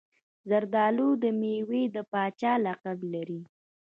زردالو د میوې د پاچا لقب لري.